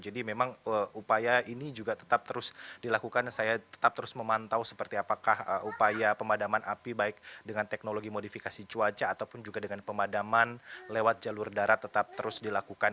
jadi memang upaya ini juga tetap terus dilakukan saya tetap terus memantau seperti apakah upaya pemadaman api baik dengan teknologi modifikasi cuaca ataupun juga dengan pemadaman lewat jalur darat tetap terus dilakukan